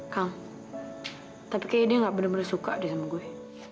kang tapi kayaknya dia nggak bener bener suka deh sama gue